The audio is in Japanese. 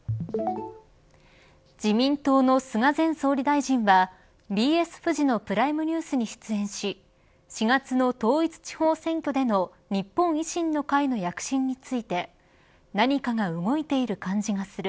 自民党の菅前総理大臣はＢＳフジのプライムニュースに出演し４月の統一地方選挙での日本維新の会の躍進について何かが動いている感じがする。